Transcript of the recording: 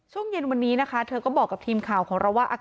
ช่วงเย็นวันนี้นะคะเธอก็บอกกับทีมข่าวของเราว่า